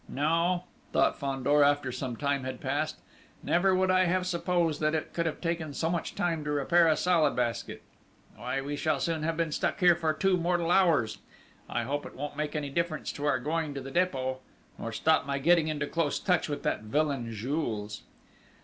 "No," thought Fandor, after some time had passed. "Never would I have supposed that it could have taken so much time to repair a Salad Basket!... Why we shall soon have been stuck here for two mortal hours!... I hope it won't make any difference to our going to the Dépôt, nor stop my getting into close touch with that villain Jules!"